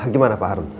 gimana pak harun